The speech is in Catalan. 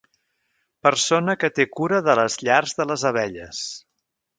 Persona que té cura de les llars de les abelles.